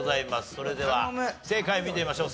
それでは正解見てみましょう。